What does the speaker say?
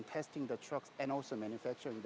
dan mencoba truk dan juga membuat truk